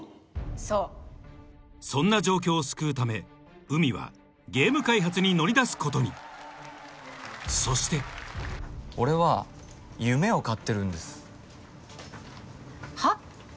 そうそんな状況を救うため海はゲーム開発に乗り出すことにそして俺は夢を買ってるんですはっ？